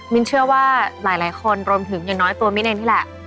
นเชื่อว่าหลายคนรวมถึงอย่างน้อยตัวมิ้นเองนี่แหละ